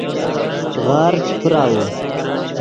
غار چے بیراؤ